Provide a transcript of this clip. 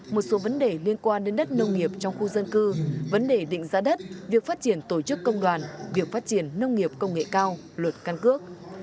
một số vấn đề liên quan đến đất nông nghiệp trong khu dân cư vấn đề định giá đất việc phát triển tổ chức công đoàn việc phát triển nông nghiệp công nghệ cao luật căn cước